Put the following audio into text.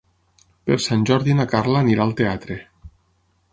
Per Sant Jordi na Carla anirà al teatre.